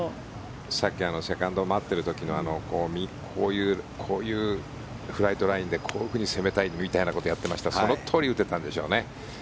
さっきセカンドを待っている時のこういうフライトラインでこういうふうに攻めたいみたいなのをやってましたけどそのとおり打てたんでしょうね。